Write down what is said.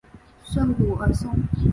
圣古尔松。